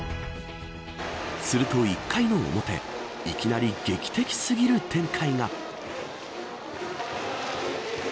すると、１回の表いきなり劇的すぎる展開が。